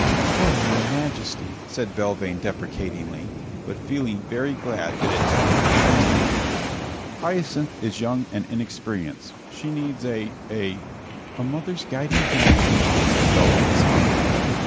"Oh, your Majesty!" said Belvane deprecatingly, but feeling very glad that it hadn't been wasted. "Hyacinth is young and inexperienced. She needs a a " "A mother's guiding hand," said Belvane softly.